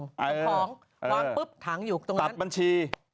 เอาของวางปุ๊บถังอยู่ตรงนี้ตัดบัญชี